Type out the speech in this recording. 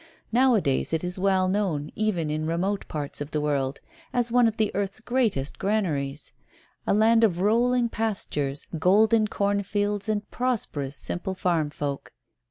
Now a days it is well known, even in remote parts of the world, as one of the earth's greatest granaries; a land of rolling pastures, golden cornfields and prosperous, simple farm folk.